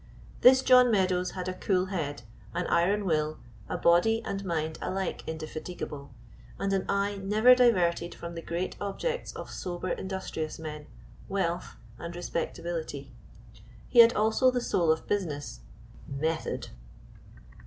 This John Meadows had a cool head, an iron will, a body and mind alike indefatigable, and an eye never diverted from the great objects of sober industrious men wealth and respectability. He had also the soul of business method!